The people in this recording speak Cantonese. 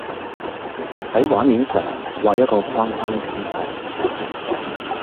喺畫面上畫一個框框畀我